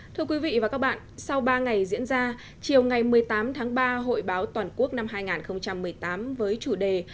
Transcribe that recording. thưa quý vị và các bạn sau ba ngày diễn ra chiều ngày một mươi tám tháng ba hội báo toàn quốc năm hai nghìn một mươi tám với chủ đề